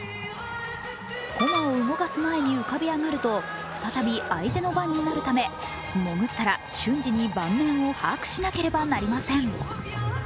駒を動かす前に浮かび上がると再び相手の番になるため潜ったら瞬時に盤面を把握しなければなりません。